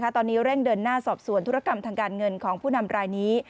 ตอนนี้เร่งเดินหน้าสอบสวนธุรกรรมทางการเงินของผู้นำรายนี้